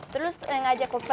terus neng ajak ke perusahaan